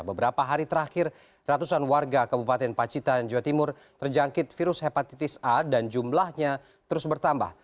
beberapa hari terakhir ratusan warga kabupaten pacitan jawa timur terjangkit virus hepatitis a dan jumlahnya terus bertambah